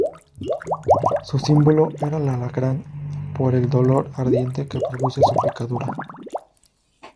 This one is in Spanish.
Su símbolo era el alacrán, por el dolor ardiente que produce su picadura.